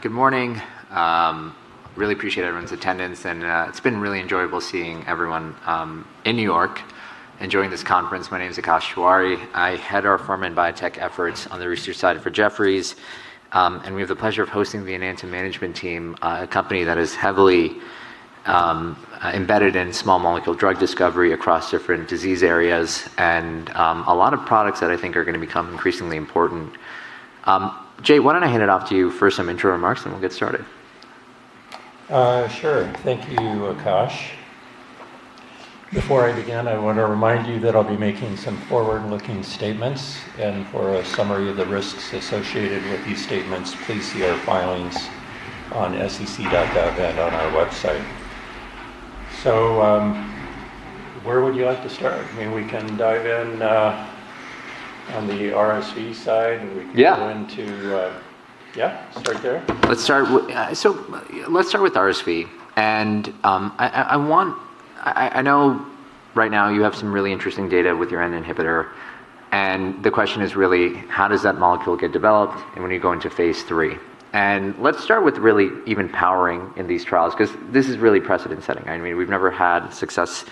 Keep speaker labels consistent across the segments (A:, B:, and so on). A: Good morning. Really appreciate everyone's attendance, and it's been really enjoyable seeing everyone in New York enjoying this conference. My name's Akash Tewari. I head our firm and biotech efforts on the research side for Jefferies, and we have the pleasure of hosting the Enanta management team, a company that is heavily embedded in small molecule drug discovery across different disease areas, and a lot of products that I think are going to become increasingly important. Jay, why don't I hand it off to you for some intro remarks, and we'll get started.
B: Sure. Thank you, Akash. Before I begin, I want to remind you that I'll be making some forward-looking statements. For a summary of the risks associated with these statements, please see our filings on SEC.gov and on our website. Where would you like to start? We can dive in on the RSV side.
A: Yeah.
B: We can go into, yeah, start there?
A: Let's start with RSV. I know right now you have some really interesting data with your N-protein inhibitor, the question is really, how does that molecule get developed, when are you going to phase III? Let's start with really even powering in these trials, because this is really precedent setting. We've never had success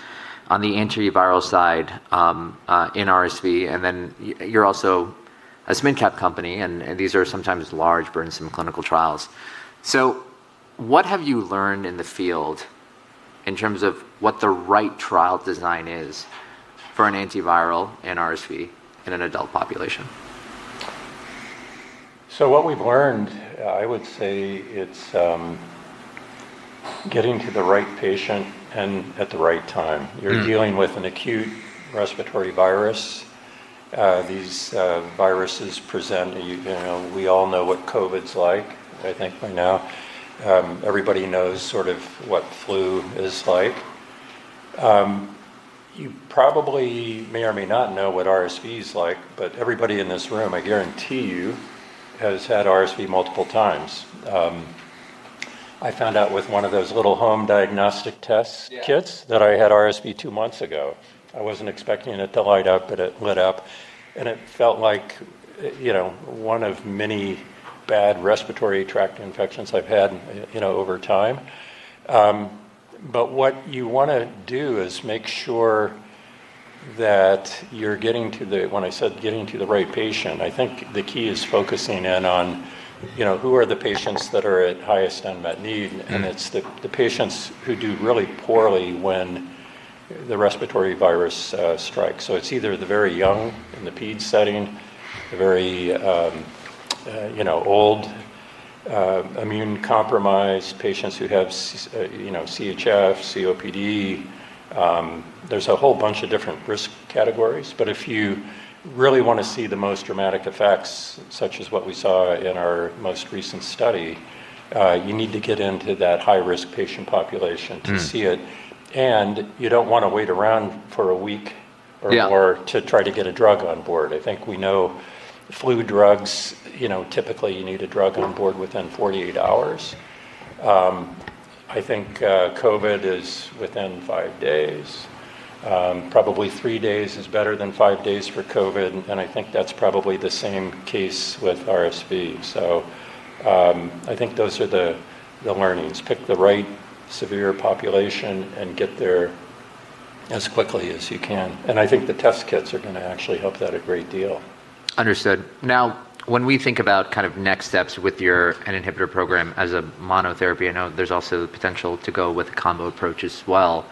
A: on the antiviral side in RSV, then you're also a mid-cap company, these are sometimes large, burdensome clinical trials. What have you learned in the field in terms of what the right trial design is for an antiviral in RSV in an adult population?
B: What we've learned, I would say it's getting to the right patient and at the right time. You're dealing with an acute respiratory virus. We all know what COVID's like, I think by now. Everybody knows sort of what flu is like. You probably may or may not know what RSV's like, but everybody in this room, I guarantee you, has had RSV multiple times. I found out with one of those little home diagnostic test kits that I had RSV two months ago. I wasn't expecting it to light up, it lit up, and it felt like one of many bad respiratory tract infections I've had over time. What you want to do is make sure that you're getting to the right patient. When I said getting to the right patient, I think the key is focusing in on who are the patients that are at highest unmet need and it's the patients who do really poorly when the respiratory virus strikes. It's either the very young in the ped setting, the very old, immunocompromised patients who have CHF, COPD. There's a whole bunch of different risk categories, but if you really want to see the most dramatic effects, such as what we saw in our most recent study, you need to get into that high-risk patient population to see it. You don't want to wait around for a week.
A: Yeah.
B: Or more to try to get a drug on board. I think we know flu drugs, typically, you need a drug on board within 48 hours. I think COVID is within five days. Probably three days is better than five days for COVID, and I think that's probably the same case with RSV. I think those are the learnings. Pick the right severe population and get there as quickly as you can. I think the test kits are going to actually help that a great deal.
A: Understood. When we think about next steps with your N-protein inhibitor program as a monotherapy, I know there's also the potential to go with a combo approach as well.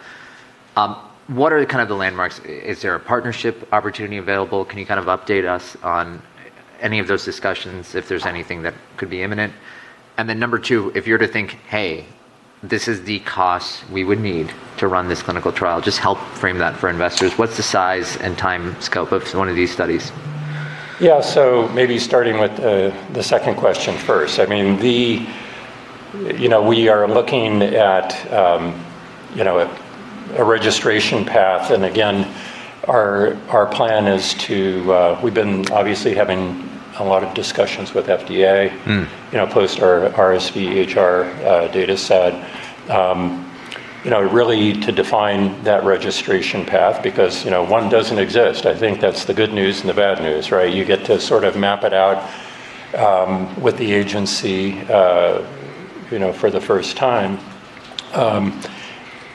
A: What are the landmarks? Is there a partnership opportunity available? Can you update us on any of those discussions, if there's anything that could be imminent? Number two, if you're to think, "Hey, this is the cost we would need to run this clinical trial," just help frame that for investors. What's the size and time scope of one of these studies?
B: Yeah. Maybe starting with the second question first. We are looking at a registration path. Again, we've been obviously having a lot of discussions with FDA. Post our RSV HR dataset really to define that registration path, because one doesn't exist. I think that's the good news and the bad news. You get to map it out with the agency for the first time.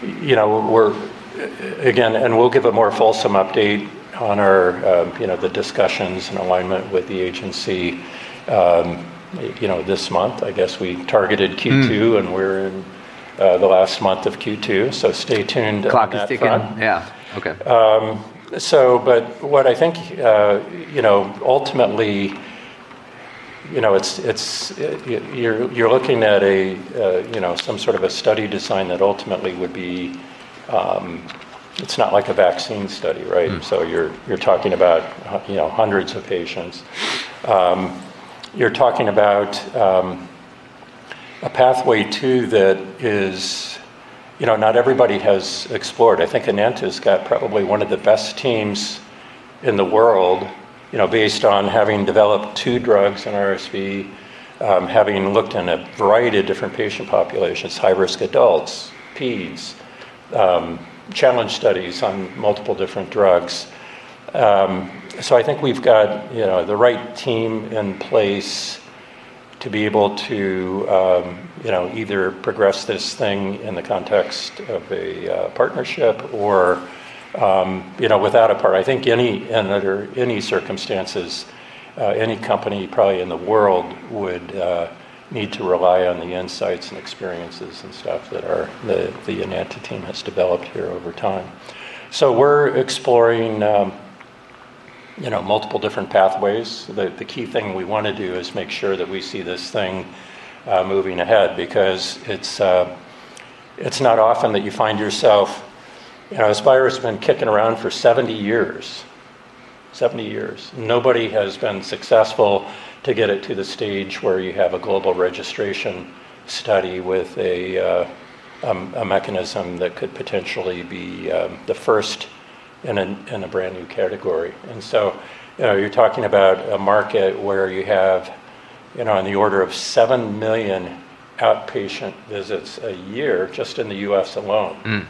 B: We'll give a more fulsome update on the discussions and alignment with the agency this month. I guess we targeted Q2, we're in the last month of Q2, stay tuned on that front.
A: Clock is ticking. Yeah. Okay.
B: What I think, ultimately, you're looking at some sort of a study design. It's not like a vaccine study. You're talking about hundreds of patients. You're talking about a pathway too, that not everybody has explored. I think Enanta's got probably one of the best teams in the world based on having developed two drugs in RSV, having looked in a variety of different patient populations, high-risk adults, peds, challenge studies on multiple different drugs. I think we've got the right team in place to be able to either progress this thing in the context of a partnership or without a partner. I think under any circumstances, any company probably in the world would need to rely on the insights and experiences and stuff that the Enanta team has developed here over time. We're exploring multiple different pathways. The key thing we want to do is make sure that we see this thing moving ahead, because it's not often that Spire has been kicking around for 70 years. Nobody has been successful to get it to the stage where you have a global registration study with a mechanism that could potentially be the first in a brand new category. You're talking about a market where you have on the order of seven million outpatient visits a year just in the U.S. alone.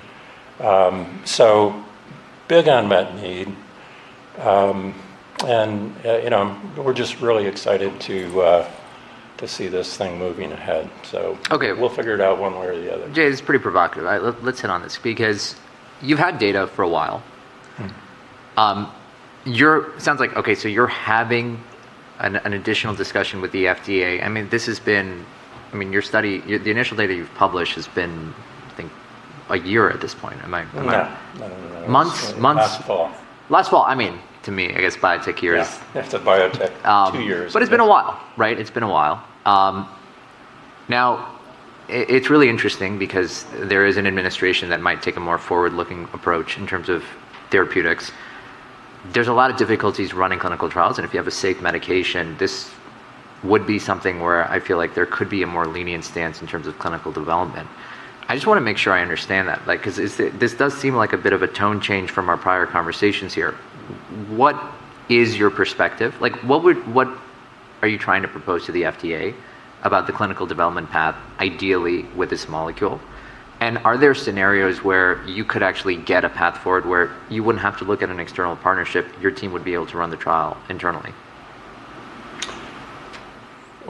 B: Big unmet need. We're just really excited to see this thing moving ahead.
A: Okay.
B: We'll figure it out one way or the other.
A: Jay, this is pretty provocative. Let's hit on this, because you've had data for a while. Sounds like, okay, you're having an additional discussion with the FDA. Your study, the initial data you've published has been, I think, a year at this point. Am I?
B: No. I don't know when that was.
A: Months?
B: Last fall.
A: Last fall.
B: Yeah. If it's a biotech, two years.
A: It's been a while, right? It's been a while. It's really interesting because there is an administration that might take a more forward-looking approach in terms of therapeutics. There's a lot of difficulties running clinical trials, and if you have a safe medication, this would be something where I feel like there could be a more lenient stance in terms of clinical development. I just want to make sure I understand that. This does seem like a bit of a tone change from our prior conversations here. What is your perspective? What are you trying to propose to the FDA about the clinical development path, ideally with this molecule? Are there scenarios where you could actually get a path forward where you wouldn't have to look at an external partnership, your team would be able to run the trial internally?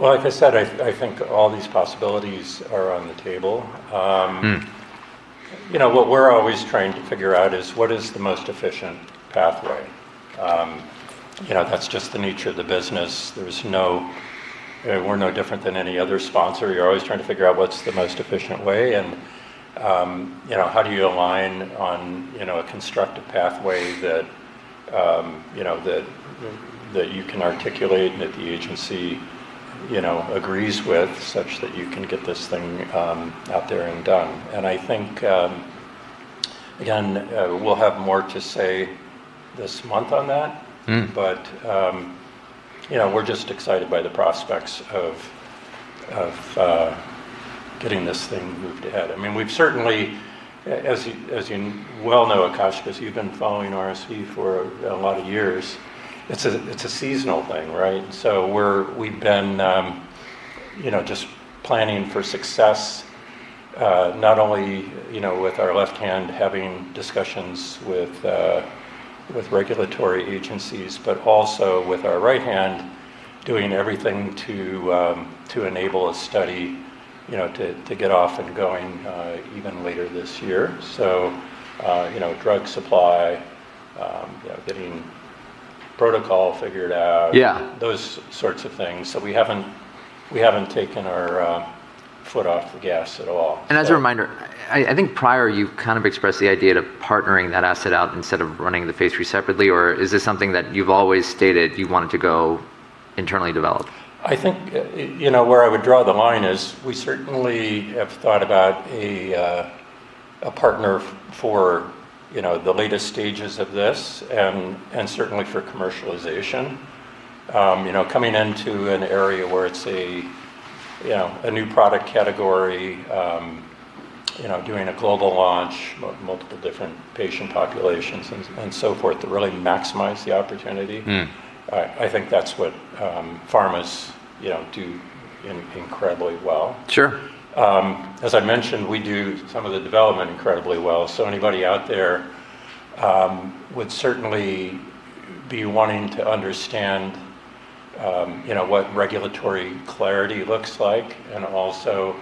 B: Well, like I said, I think all these possibilities are on the table. What we're always trying to figure out is what is the most efficient pathway. That's just the nature of the business. We're no different than any other sponsor. You're always trying to figure out what's the most efficient way and how do you align on a constructive pathway that you can articulate and that the agency agrees with such that you can get this thing out there and done. I think, again, we'll have more to say this month on that. We're just excited by the prospects of getting this thing moved ahead. We've certainly, as you well know, Akash, because you've been following RSV for a lot of years, it's a seasonal thing, right? We've been just planning for success, not only with our left hand having discussions with regulatory agencies, but also with our right hand doing everything to enable a study to get off and going even later this year. Drug supply, getting protocol figured out.
A: Yeah.
B: Those sorts of things. We haven't taken our foot off the gas at all.
A: As a reminder, I think prior, you've expressed the idea of partnering that asset out instead of running the phase III separately, or is this something that you've always stated you wanted to go internally develop?
B: I think where I would draw the line is we certainly have thought about a partner for the later stages of this and certainly for commercialization. Coming into an area where it's a new product category, doing a global launch, multiple different patient populations and so forth to really maximize the opportunity. I think that's what pharmas do incredibly well.
A: Sure.
B: As I mentioned, we do some of the development incredibly well. Anybody out there would certainly be wanting to understand what regulatory clarity looks like and also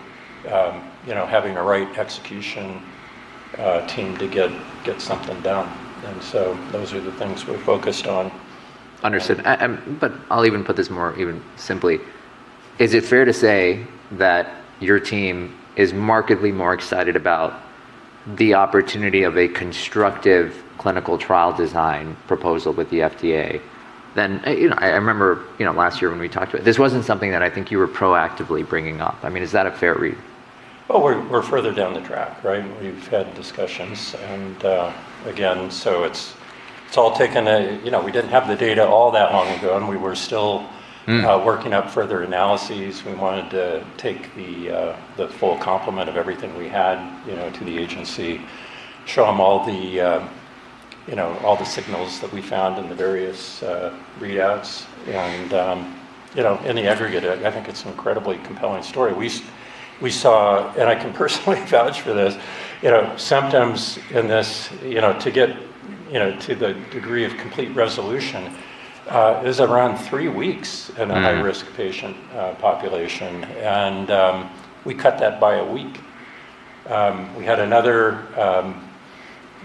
B: having the right execution team to get something done. Those are the things we're focused on.
A: Understood. I'll even put this more even simply. Is it fair to say that your team is markedly more excited about the opportunity of a constructive clinical trial design proposal with the FDA than, I remember last year when we talked about it, this wasn't something that I think you were proactively bringing up. Is that a fair read?
B: Well, we're further down the track, right? We've had discussions, and again, so we didn't have the data all that long ago. Working up further analyses. We wanted to take the full complement of everything we had to the agency, show them all the signals that we found in the various readouts. In the aggregate, I think it's an incredibly compelling story. We saw, and I can personally vouch for this, symptoms in this, to get to the degree of complete resolution is around three weeks in a high-risk patient population. We cut that by a week. We had another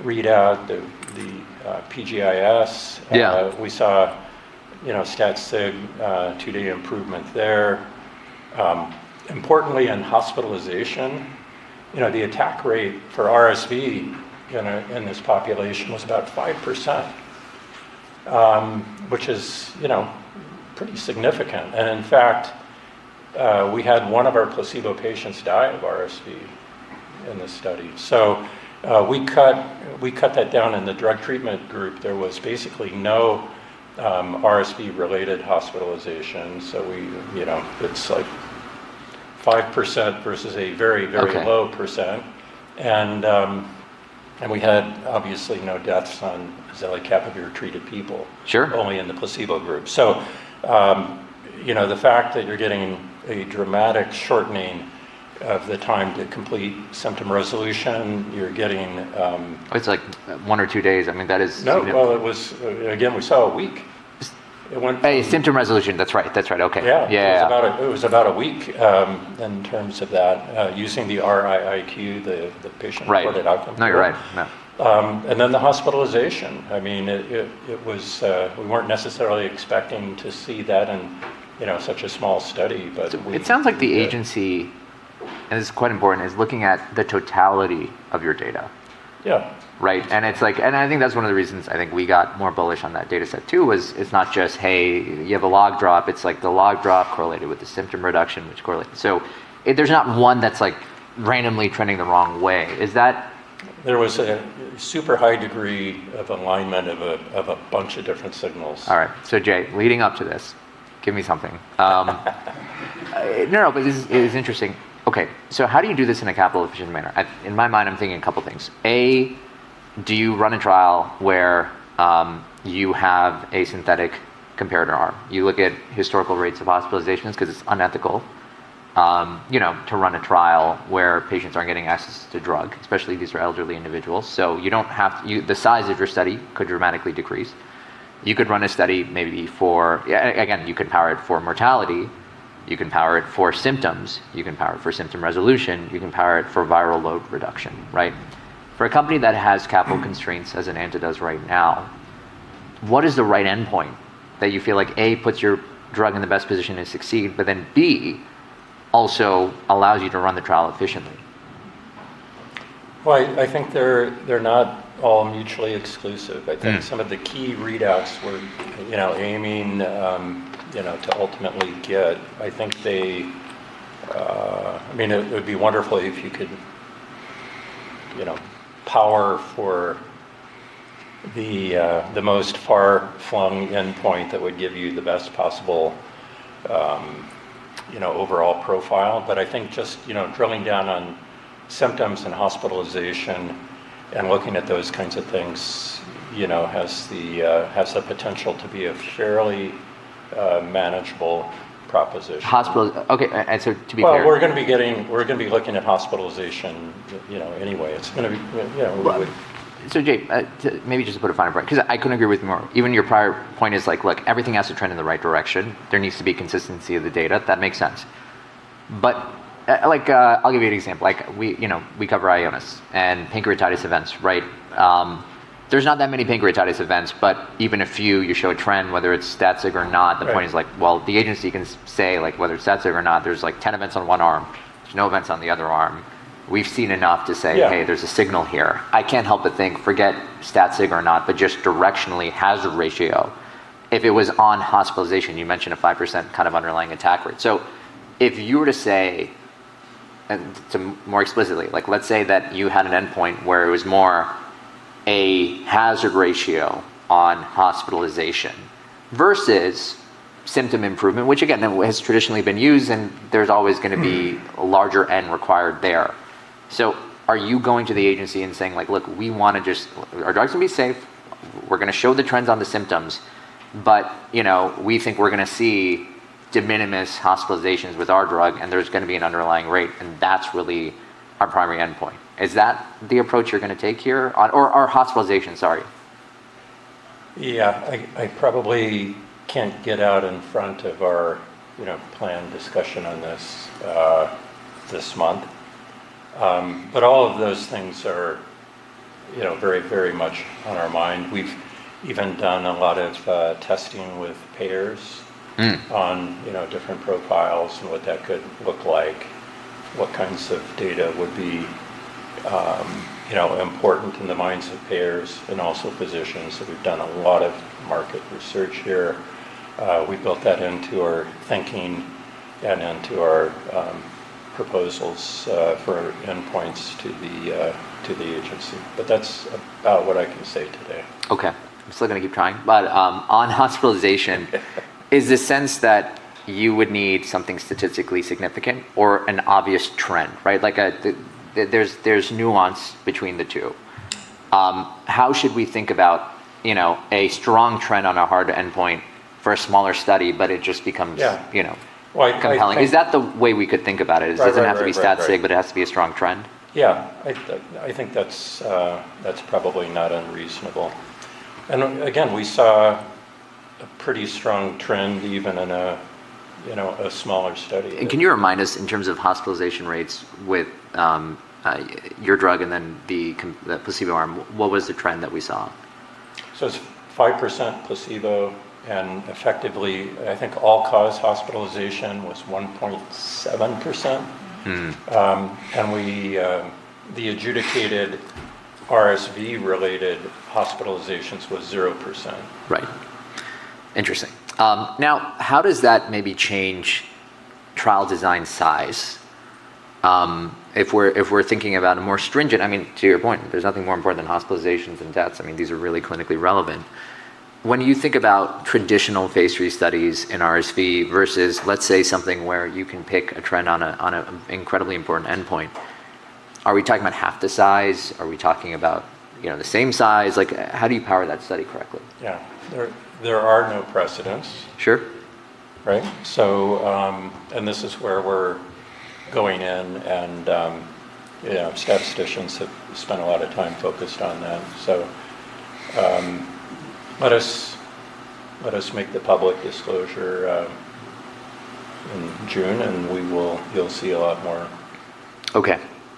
B: readout, the PGIS.
A: Yeah.
B: We saw stat sig 2D improvement there. Importantly, in hospitalization, the attack rate for RSV in this population was about 5%, which is pretty significant. In fact, we had one of our placebo patients die of RSV in this study. We cut that down in the drug treatment group. There was basically no RSV-related hospitalizations. It's 5% versus a very, very low percent.
A: Okay.
B: We had obviously no deaths on zelicapavir-treated people.
A: Sure.
B: Only in the placebo group. The fact that you're getting a dramatic shortening of the time to complete symptom resolution.
A: It's one or two days. That is significant.
B: No. Well, it was, again, we saw a week.
A: A symptom resolution. That's right, okay.
B: Yeah.
A: Yeah.
B: It was about a week, in terms of that, using the RiiQ, the patient reported outcome.
A: Right. No, you're right. Yeah.
B: The hospitalization, we weren't necessarily expecting to see that in such a small study, but.
A: It sounds like the agency, and this is quite important, is looking at the totality of your data.
B: Yeah.
A: Right? I think that's one of the reasons I think we got more bullish on that data set too, was it's not just, "Hey, you have a log drop." It's like the log drop correlated with the symptom reduction, which correlated. There's not one that's randomly trending the wrong way. Is that?
B: There was a super high degree of alignment of a bunch of different signals.
A: All right. Jay, leading up to this, give me something. No, this is interesting. How do you do this in a capital efficient manner? In my mind, I'm thinking a couple of things. A, do you run a trial where you have a synthetic comparator arm? You look at historical rates of hospitalizations because it's unethical to run a trial where patients aren't getting access to drug, especially these are elderly individuals. The size of your study could dramatically decrease. You could run a study maybe for you could power it for mortality. You can power it for symptoms. You can power it for symptom resolution. You can power it for viral load reduction, right? For a company that has capital constraints as Enanta does right now, what is the right endpoint that you feel like, A, puts your drug in the best position to succeed, but then, B, also allows you to run the trial efficiently?
B: Well, I think they're not all mutually exclusive. I think some of the key readouts we're aiming to ultimately get, it would be wonderful if you could power for the most far-flung endpoint that would give you the best possible overall profile. I think just drilling down on symptoms and hospitalization and looking at those kinds of things has the potential to be a fairly manageable proposition.
A: Okay.
B: We're going to be looking at hospitalization anyway. Yeah, we would.
A: Jay, to maybe just to put a fine print, because I couldn't agree with you more. Even your prior point is like, look, everything has to trend in the right direction. There needs to be consistency of the data. That makes sense. I'll give you an example. We cover Ionis and pancreatitis events, right? There's not that many pancreatitis events, but even a few, you show a trend, whether it's stat sig or not.
B: Right.
A: The point is like, well, the agency can say whether it's stat sig or not, there's 10 events on one arm, there's no events on the other arm.
B: Yeah.
A: Hey, there's a signal here." I can't help but think, forget stat sig or not, but just directionally, hazard ratio. If it was on hospitalization, you mentioned a 5% kind of underlying attack rate. If you were to say, more explicitly, let's say that you had an endpoint where it was more a hazard ratio on hospitalization versus symptom improvement, which again, has traditionally been used, and there's always going to be a larger N required there. Are you going to the agency and saying, "Look, our drug's going to be safe. We're going to show the trends on the symptoms. But we think we're going to see de minimis hospitalizations with our drug, and there's going to be an underlying rate, and that's really our primary endpoint." Is that the approach you're going to take here? Or hospitalization, sorry.
B: Yeah. I probably can't get out in front of our planned discussion on this this month. All of those things are very much on our mind. We've even done a lot of testing with payers on different profiles and what that could look like, what kinds of data would be important in the minds of payers and also physicians. We've done a lot of market research here. We built that into our thinking and into our proposals for endpoints to the agency. That's about what I can say today.
A: Okay. I'm still going to keep trying. On hospitalization, is the sense that you would need something statistically significant or an obvious trend? There's nuance between the two. How should we think about a strong trend on a hard endpoint for a smaller study?
B: Yeah.
A: Compelling? Is that the way we could think about it?
B: Right.
A: It doesn't have to be stat sig, but it has to be a strong trend?
B: Yeah. I think that's probably not unreasonable. Again, we saw a pretty strong trend even in a smaller study.
A: Can you remind us, in terms of hospitalization rates with your drug and then the placebo arm, what was the trend that we saw?
B: It's 5% placebo, and effectively, I think all-cause hospitalization was 1.7%. The adjudicated RSV-related hospitalizations was 0%.
A: Right. Interesting. How does that maybe change trial design size? If we're thinking about a more stringent, to your point, there's nothing more important than hospitalizations and deaths. These are really clinically relevant. When you think about traditional phase III studies in RSV versus, let's say, something where you can pick a trend on a incredibly important endpoint, are we talking about half the size? Are we talking about the same size? How do you power that study correctly?
B: Yeah. There are no precedents.
A: Sure.
B: Right? This is where we're going in, and statisticians have spent a lot of time focused on that. Let us make the public disclosure in June, and you'll see a lot more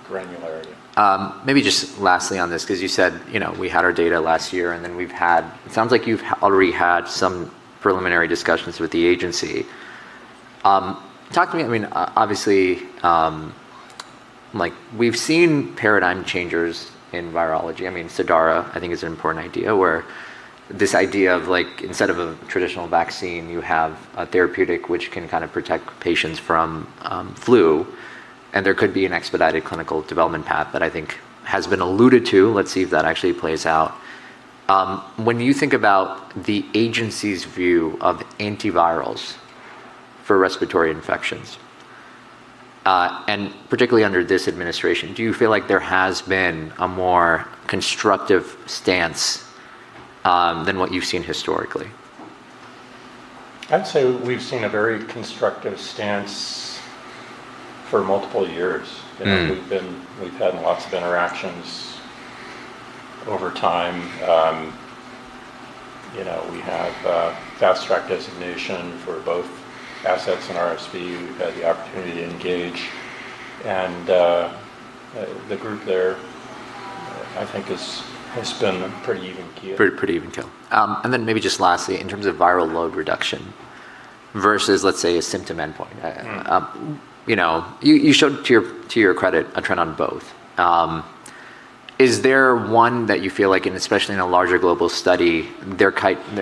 B: granularity.
A: Okay. Maybe just lastly on this, because you said we had our data last year, and it sounds like you've already had some preliminary discussions with the agency. Talk to me. Obviously, we've seen paradigm changers in virology. Xofluza, I think is an important idea, where this idea of instead of a traditional vaccine, you have a therapeutic which can protect patients from flu, and there could be an expedited clinical development path that I think has been alluded to. Let's see if that actually plays out. When you think about the agency's view of antivirals for respiratory infections, and particularly under this administration, do you feel like there has been a more constructive stance than what you've seen historically?
B: I'd say we've seen a very constructive stance for multiple years. We've had lots of interactions over time. We have Fast Track designation for both assets and RSV. We've had the opportunity to engage and the group there, I think has been pretty even keel.
A: Pretty even keel. Maybe just lastly, in terms of viral load reduction versus, let's say, a symptom endpoint. You showed, to your credit, a trend on both. Is there one that you feel like, and especially in a larger global study,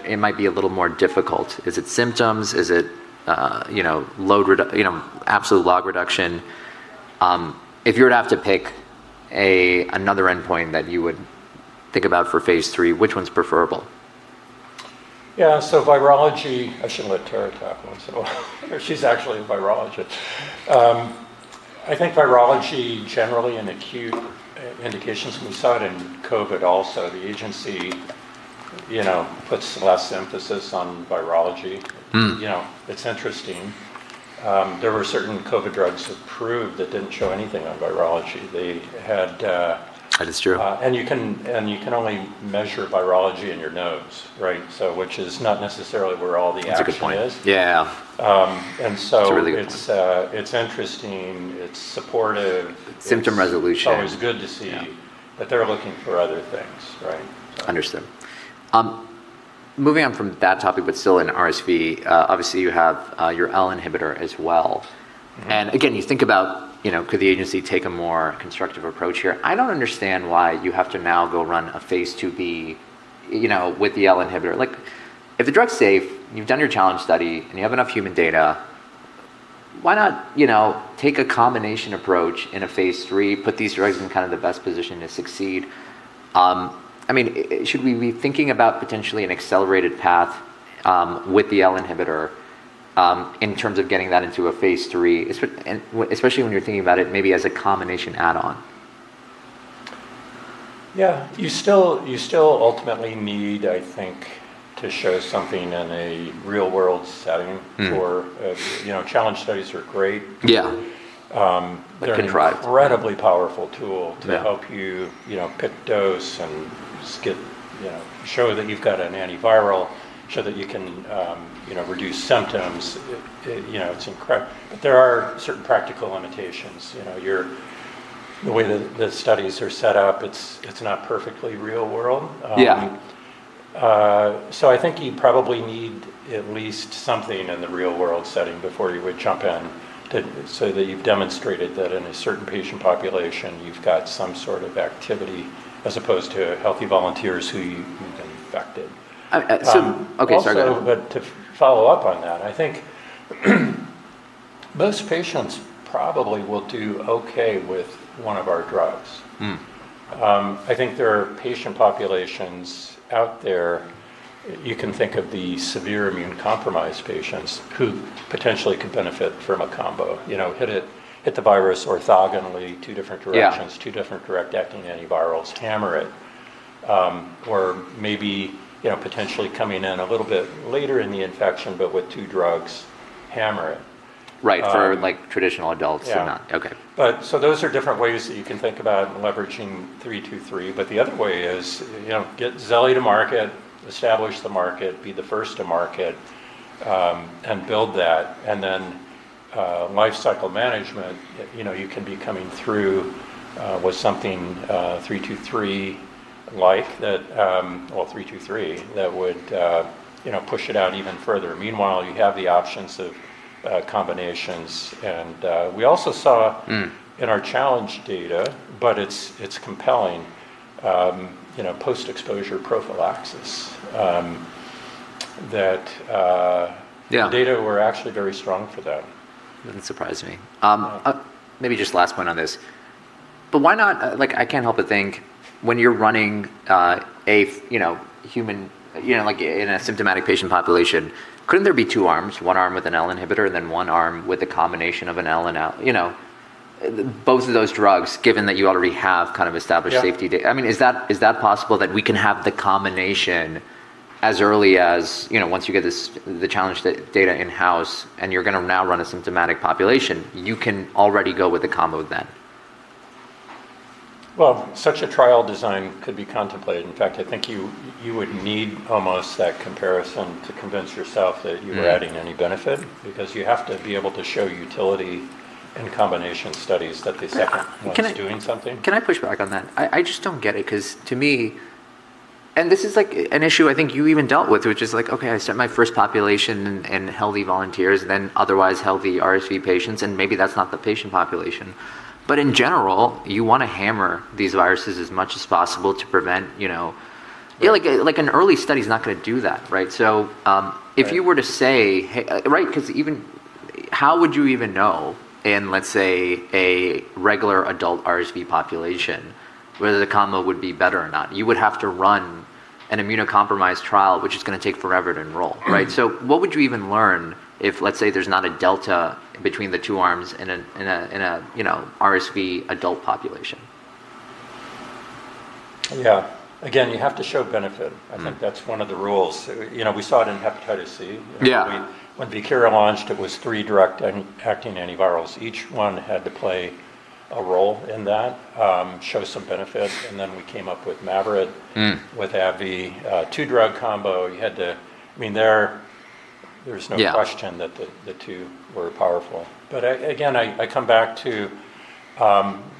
A: it might be a little more difficult? Is it symptoms? Is it absolute log reduction? If you were to have to pick another endpoint that you would think about for phase III, which one's preferable?
B: Yeah. Virology, I should let Tara talk about it. She's actually a virologist. I think virology, generally in acute indications, we saw it in COVID also, the agency puts less emphasis on virology. It's interesting. There were certain COVID drugs approved that didn't show anything on virology.
A: That is true.
B: You can only measure virology in your nose, right? Which is not necessarily where all the action is.
A: That's a good point. Yeah.
B: And so it's interesting. It's supportive.
A: Symptom resolution.
B: Always good to see.
A: Yeah.
B: They're looking for other things, right?
A: Understood. Moving on from that topic, but still in RSV, obviously you have your L-protein inhibitor as well. Again, you think about could the agency take a more constructive approach here? I don't understand why you have to now go run a phase IIb with the L-protein inhibitor. If the drug's safe, and you've done your challenge study, and you have enough human data, why not take a combination approach in a phase III, put these drugs in the best position to succeed? Should we be thinking about potentially an accelerated path with the L-protein inhibitor in terms of getting that into a phase III, especially when you're thinking about it maybe as a combination add-on?
B: Yeah. You still ultimately need, I think, to show something in a real-world setting for challenge studies are great.
A: Yeah. They can drive.
B: They're incredibly powerful tool to help you pick dose and show that you've got an antiviral, show that you can reduce symptoms. It's incredible, but there are certain practical limitations. The way that the studies are set up, it's not perfectly real world.
A: Yeah.
B: I think you probably need at least something in the real-world setting before you would jump in, so that you've demonstrated that in a certain patient population, you've got some sort of activity as opposed to healthy volunteers who you've infected.
A: Okay. Sorry, go on.
B: To follow up on that, I think most patients probably will do okay with one of our drugs. I think there are patient populations out there. You can think of the severe immune-compromised patients who potentially could benefit from a combo. Hit the virus orthogonally two different directions.
A: Yeah.
B: Two different direct acting antivirals, hammer it. Maybe potentially coming in a little bit later in the infection, but with two drugs, hammer it.
A: Right. For traditional adults.
B: Yeah. Those are different ways that you can think about leveraging EDP-323. The other way is, get zelicapavir to market, establish the market, be the first to market, and build that. Then lifecycle management, you can be coming through with something EDP-323-like, well, EDP-323, that would push it out even further. Meanwhile, you have the options of combinations, and we also saw in our challenge data, but it's compelling, post-exposure prophylaxis.
A: Yeah.
B: The data were actually very strong for that.
A: Doesn't surprise me. Maybe just last point on this. I can't help but think when you're running in an asymptomatic patient population, couldn't there be two arms, one arm with an L-protein inhibitor and then one arm with a combination of an L and N. Both of those drugs, given that you already have established safety data.
B: Yeah.
A: Is that possible that we can have the combination as early as once you get the challenge data in-house and you're going to now run a symptomatic population, you can already go with the combo then?
B: Well, such a trial design could be contemplated. In fact, I think you would need almost that comparison to convince yourself that you are adding any benefit, because you have to be able to show utility in combination studies one's doing something.
A: Can I push back on that? I just don't get it because to me this is an issue I think you even dealt with, which is like, okay, I set my first population in healthy volunteers, then otherwise healthy RSV patients, and maybe that's not the patient population. In general, you want to hammer these viruses as much as possible to prevent. An early study's not going to do that. If you were to say how would you even know in, let's say, a regular adult RSV population, whether the combo would be better or not? You would have to run an immunocompromised trial, which is going to take forever to enroll. What would you even learn if, let's say, there's not a delta between the two arms in an RSV adult population?
B: Yeah. Again, you have to show benefit. I think that's one of the rules. We saw it in hepatitis C.
A: Yeah.
B: When Viekira launched, it was three direct acting antivirals. Each one had to play a role in that, show some benefit, and then we came up with MAVYRET with AbbVie. A two drug combo, there's no question.
A: Yeah.
B: That the two were powerful. Again, I come back to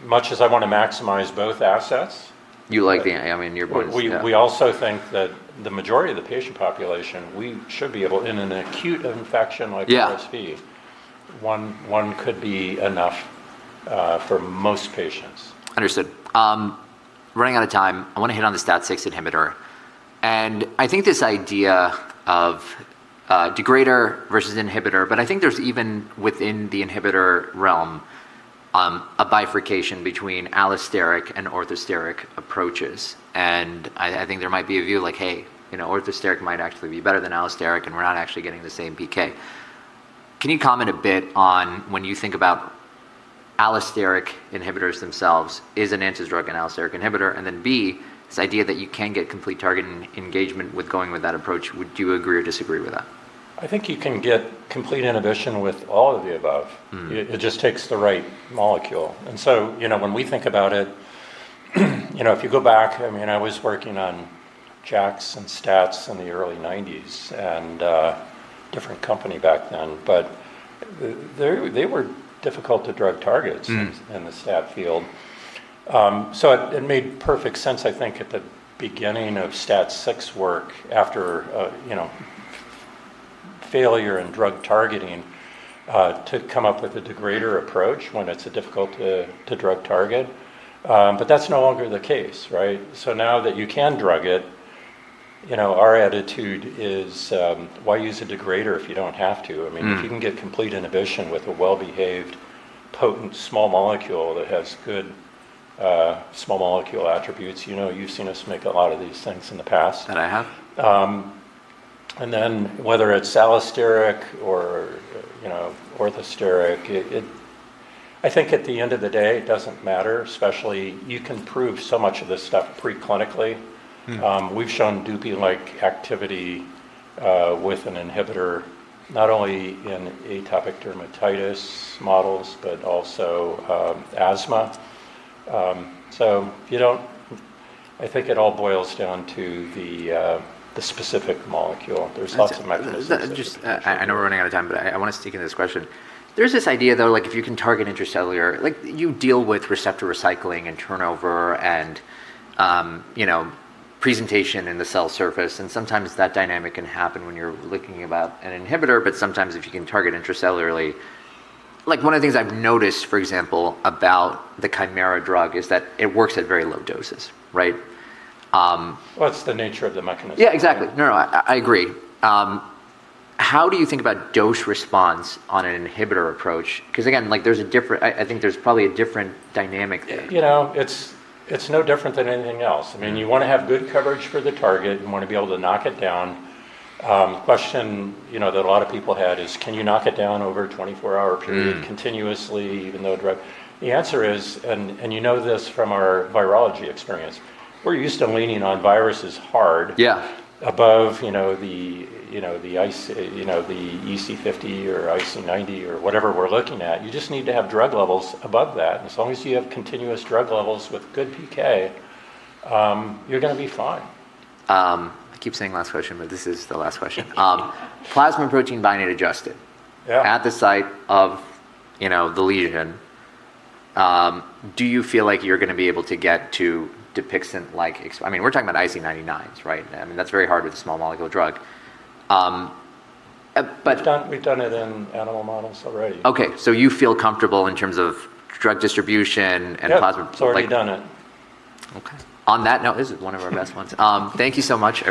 B: much as I want to maximize both assets.
A: You like your boys, yeah.
B: We also think that the majority of the patient population, we should be able, in an acute infection like RSV, one could be enough for most patients.
A: Understood. Running out of time, I want to hit on the STAT6 inhibitor. I think this idea of degrader versus inhibitor, but I think there's even within the inhibitor realm, a bifurcation between allosteric and orthosteric approaches. I think there might be a view like, "Hey, orthosteric might actually be better than allosteric, and we're not actually getting the same PK." Can you comment a bit on when you think about allosteric inhibitors themselves, is Enanta's drug an allosteric inhibitor? B, this idea that you can get complete target engagement with going with that approach, would you agree or disagree with that?
B: I think you can get complete inhibition with all of the above. It just takes the right molecule. When we think about it if you go back, I was working on JAKs and STATs in the early '90s and a different company back then, but they were difficult to drug targets in the STAT field. It made perfect sense, I think, at the beginning of STAT6 work, after failure in drug targeting, to come up with a degrader approach when it's difficult to drug target. That's no longer the case. Now that you can drug it, our attitude is, why use a degrader if you don't have to? If you can get complete inhibition with a well-behaved, potent small molecule that has good small molecule attributes, you've seen us make a lot of these things in the past.
A: I have.
B: Whether it's allosteric or orthosteric, I think at the end of the day it doesn't matter, especially you can prove so much of this stuff preclinically. We've shown DUPIXENT-like activity with an inhibitor, not only in atopic dermatitis models but also asthma. I think it all boils down to the specific molecule. There's lots of mechanisms.
A: I know we're running out of time. I want to sneak in this question. There's this idea, though, if you can target intracellular, you deal with receptor recycling and turnover and presentation in the cell surface, and sometimes that dynamic can happen when you're looking about an inhibitor. Sometimes if you can target intracellularly. One of the things I've noticed, for example, about the Kymera drug is that it works at very low doses.
B: Well, that's the nature of the mechanism.
A: Yeah, exactly. No, I agree. How do you think about dose response on an inhibitor approach? Again, I think there's probably a different dynamic there.
B: It's no different than anything else.
A: Yeah.
B: You want to have good coverage for the target. You want to be able to knock it down. Question that a lot of people had is, can you knock it down over a 24 hour period? Continuously, even though the answer is, and you know this from our virology experience, we're used to leaning on viruses hard.
A: Yeah.
B: Above the EC50 or IC90 or whatever we're looking at. You just need to have drug levels above that. As long as you have continuous drug levels with good PK, you're going to be fine.
A: I keep saying last question, but this is the last question. Plasma and protein bind it adjusted.
B: Yeah.
A: At the site of the lesion. Do you feel like you're going to be able to get to DUPIXENT? We're talking about IC99s. That's very hard with a small molecule drug.
B: We've done it in animal models already.
A: Okay. You feel comfortable in terms of drug distribution and plasma?
B: Yep. It's already done it.
A: Okay. On that note, this is one of our best ones. Thank you so much.